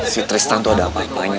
si tristan itu ada apa apanya